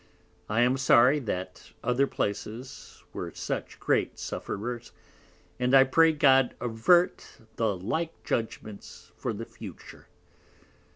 I am sorry that other Places were such great Sufferers, and I pray God avert the like Judgments for the future.